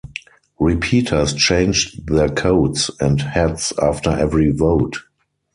Repeaters changed their coats and hats after every vote.